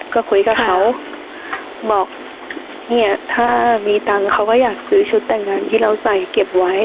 ก็คุยกับเขาบอกเนี่ยถ้ามีตังค์เขาก็อยากซื้อชุดแต่งงานที่เราใส่เก็บไว้